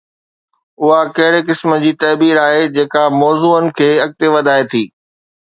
اها ڪهڙي قسم جي تعبير آهي جيڪا موضوعن کي اڳتي وڌائي ٿي؟